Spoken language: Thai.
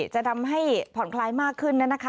จะทำให้ผ่อนคลายมากขึ้นแล้วนะคะ